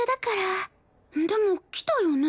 でも来たよね？